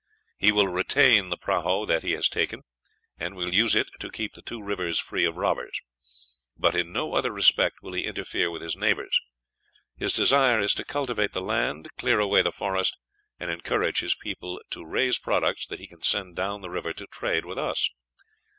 He will retain the prahu that he has taken, and will use it to keep the two rivers free of robbers, but in no other respect will he interfere with his neighbors. His desire is to cultivate the land, clear away the forest, and encourage his people to raise products that he can send down the river to trade with us.